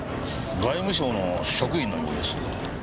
外務省の職員のようです。